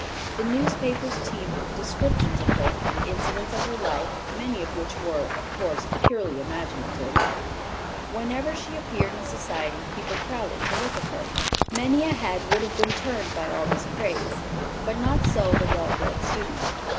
The newspapers teemed with descriptions of her, and incidents of her life, many of which were, of course, purely imaginative. Whenever she appeared in society, people crowded to look at her. Many a head would have been turned by all this praise; not so the well bred student.